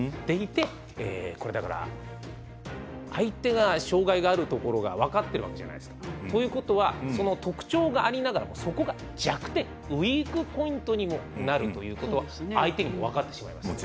これ、相手が障がいがあるところが分かってるわけじゃないですか。ということはその特徴がありながらそこが弱点ウィークポイントにもなるということは相手にも分かってしまいます。